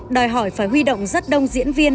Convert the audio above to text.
đòi hỏi phải huy động rất đông diễn viên